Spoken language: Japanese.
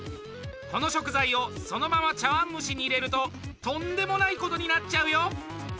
この食材を、そのまま茶わん蒸しに入れるととんでもないことになっちゃうよ。